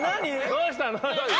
どうしたの？